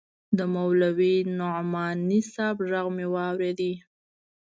د مولوي نعماني صاحب ږغ مې واورېد.